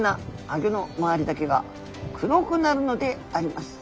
あギョの周りだけが黒くなるのであります」。